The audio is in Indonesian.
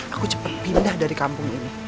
aku cepat pindah dari kampung ini